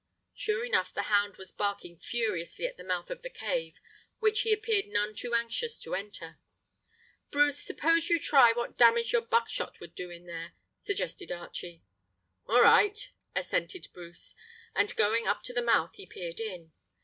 Sure enough the hound was barking furiously at the mouth of the cave, which he appeared none too anxious to enter. "Bruce, suppose you try what damage your buckshot would do in there," suggested Archie. "All right," assented Bruce, and, going up to the mouth, he peered in.